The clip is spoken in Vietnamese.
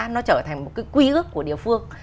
nó trở thành một cái quy ước của địa phương